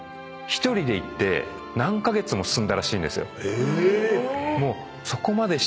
え！